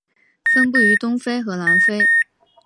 分布于东非和南非。